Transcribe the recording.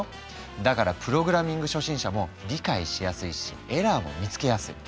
だからプログラミング初心者も理解しやすいしエラーも見つけやすい。